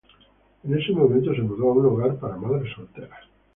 En ese momento, se mudó a un hogar para madres solteras.